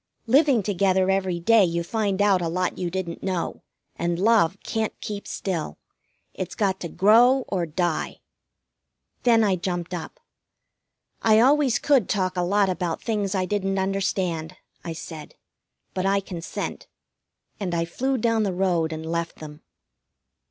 Living together every day you find out a lot you didn't know, and love can't keep still. It's got to grow or die." Then I jumped up. "I always could talk a lot about things I didn't understand," I said. "But I consent." And I flew down the road and left them.